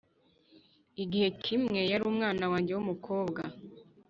igihe kimwe yari umwana wanjye wumukobwa,